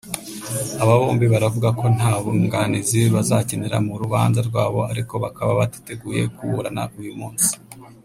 Aba bombi baravuga ko nta bunganizi bazakenera mu rubanza rwabo ariko bakaba batiteguye kuburana uyu munsi